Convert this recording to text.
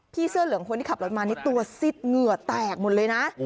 เสื้อเหลืองคนที่ขับรถมานี่ตัวซิดเหงื่อแตกหมดเลยนะ